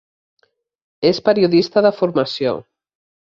És periodista de formació.